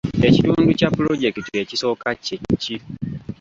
Ekitundu kya pulojekiti ekisooka kye ki?